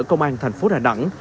công an thành phố đà nẵng